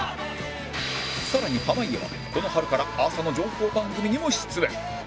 さらに濱家はこの春から朝の情報番組にも出演